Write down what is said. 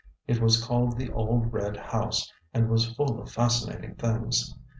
It was called "the old red house," and was full of fascinating things.